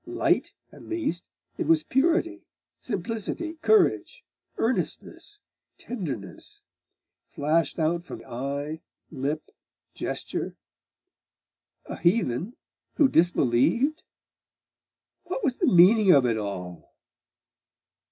Light, at least, it was purity, simplicity, courage, earnestness, tenderness, flashed out from eye, lip, gesture.... A heathen, who disbelieved? .... What was the meaning of it all?